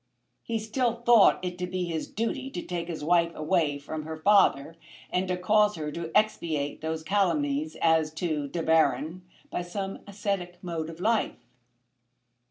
He still thought it to be his duty to take his wife away from her father, and to cause her to expiate those calumnies as to De Baron by some ascetic mode of life.